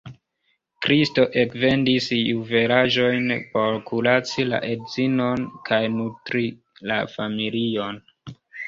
Kristo ekvendis juvelaĵojn por kuraci la edzinon kaj nutri la familion.